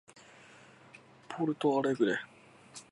リオグランデ・ド・スル州の州都はポルト・アレグレである